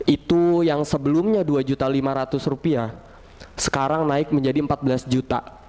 itu yang sebelumnya dua juta lima ratus rupiah sekarang naik menjadi empat belas juta